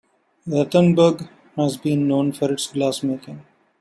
Rattenberg has been known for its glass making.